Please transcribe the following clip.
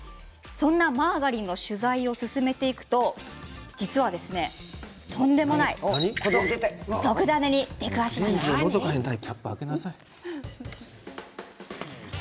そんなマーガリンの取材を進めていくと実はとんでもない特ダネに出くわしたんです。